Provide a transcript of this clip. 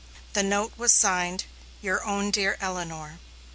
The note was signed, "Your own dear Elinor."